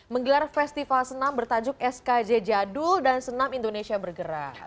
menggelar festival senam bertajuk skj jadul dan senam indonesia bergerak